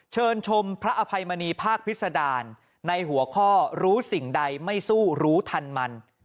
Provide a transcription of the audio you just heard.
เชิญชมพระอภัยมณีภาคพิษดารในหัวข้อรู้สิ่งใดไม่สู้รู้ทันมัน